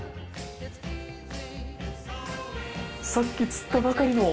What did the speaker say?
さっき釣ったばかりの。